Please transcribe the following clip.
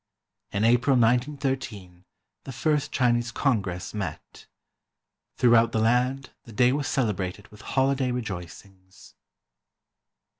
In April 1 913, the first Chinese Congress met. Throughout the land the day was celebrated with holiday rejoicings.